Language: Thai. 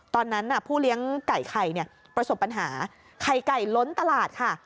ตอนนั้นผู้เลี้ยงไก่ไข่เนี่ยประสบปัญหาไข่ไก่ล้นตลาดค่ะ